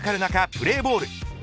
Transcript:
プレーボール。